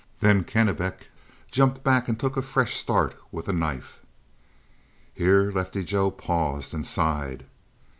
Then Kennebec jumped back and took a fresh start with a knife." Here Lefty Joe paused and sighed.